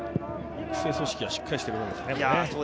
育成組織がしっかりしているんですね。